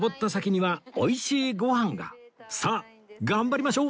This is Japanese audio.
さあ頑張りましょう！